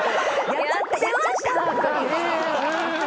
やってましたかね。